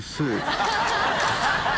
ハハハ